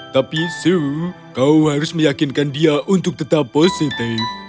tapi su kau harus meyakinkan dia untuk tetap positif